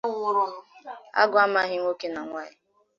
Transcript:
Agụụ amaghị nwoke na nwaanyị